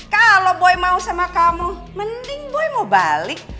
kalau boy mau sama kamu mending bue mau balik